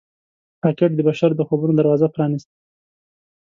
راکټ د بشر د خوبونو دروازه پرانیسته